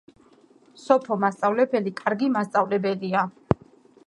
სოფო მასწავლებელი კარგი მასწავლებელია